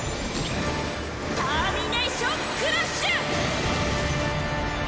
ターミネイション・クラッシュ！